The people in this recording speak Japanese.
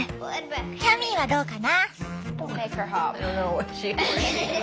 キャミーはどうかな？